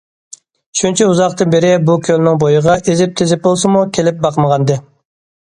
شۇنچە ئۇزاقتىن بېرى بۇ كۆلنىڭ بويىغا ئېزىپ- تېزىپ بولسىمۇ كېلىپ باقمىغانىدى.